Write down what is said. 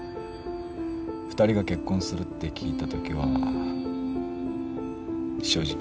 ２人が結婚するって聞いた時は正直驚いたな。